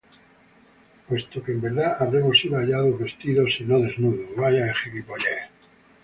Puesto que en verdad habremos sido hallados vestidos, y no desnudos.